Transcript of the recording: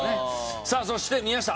さあそして宮下。